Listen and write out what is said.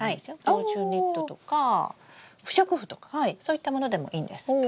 防虫ネットとか不織布とかそういったものでもいいんです。